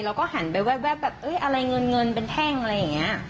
เราก็หันไปแวบแวบแบบเอ้ยอะไรเงินเงินเป็นแท่งอะไรอย่างเงี้ย